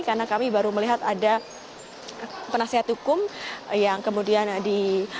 karena kami baru melihat ada penasihat hukum yang kemudian di